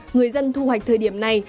người dân thu hoạch thời điểm này